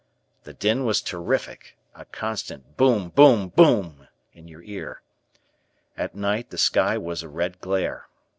The din was terrific, a constant boom boom boom in your ear. At night the sky was a red glare.